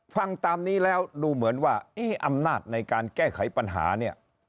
ฟังตามนี้แล้วดูเหมือนว่าอำนาจในการแก้ไขปัญหาเนี่ย